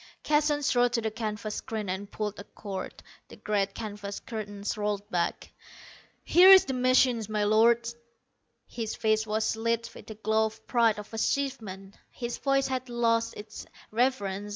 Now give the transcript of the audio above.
Keston strode to the canvas screen and pulled a cord. The great canvas curtains rolled back. "Here is the machine, my Lords!" His face was lit with the glow of pride of achievement. His voice had lost its reverence.